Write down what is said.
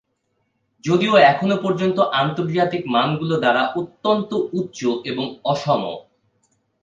যদিও এখনও পর্যন্ত আন্তর্জাতিক মানগুলি দ্বারা অত্যন্ত উচ্চ এবং অসম।